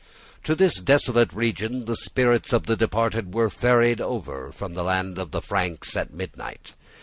To this desolate region the spirits of the departed were ferried over from the land of the Franks at midnight.